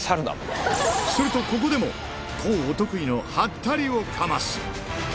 すると、ここでも、康お得意のハッタリをかます。